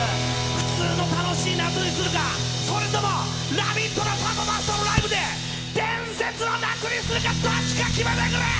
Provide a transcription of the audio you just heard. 普通の楽しい夏にするか、それとも、「ラヴィット！」のライブで伝説の夏にするかどっちか決めてくれ！